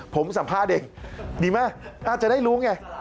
ผมสัมภาษณ์เด็กดีมากจะได้รู้ไง